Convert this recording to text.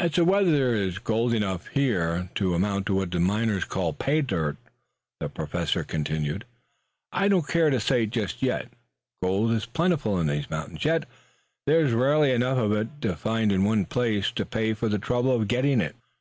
"As to whether there is gold enough here to amount to what miners call 'pay dirt,'" Professor Zepplin continued, "I don't care to say just yet. Gold is plentiful in these mountains, yet there is rarely enough of it found in one place to pay for the trouble of getting it."